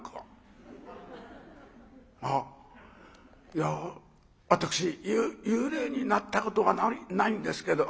いや私幽霊になったことがないんですけど」。